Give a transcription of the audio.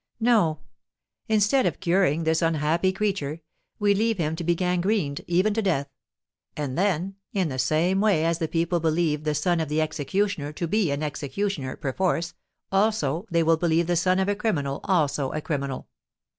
No; instead of curing this unhappy creature, we leave him to be gangrened, even to death; and then, in the same way as the people believe the son of the executioner to be an executioner, perforce, also, they will believe the son of a criminal also a criminal.